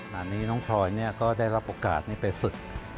งานนี้น้องพลอยก็ได้รับโอกาสนี้ไปฝึก